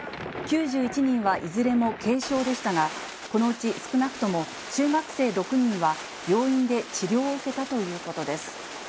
９１人はいずれも軽傷でしたが、このうち少なくとも中学生６人は、病院で治療を受けたということです。